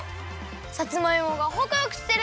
さつまいもがほくほくしてる！